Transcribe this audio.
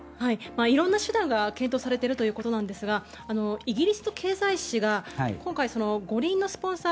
色んな手段が検討されているということですがイギリスの経済紙が五輪のスポンサー